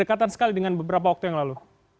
kedekatan sekali dengan beberapa waktu yang lalu